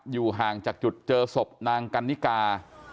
อยู่ห่างจากจุดเจอศพนางกันนิกา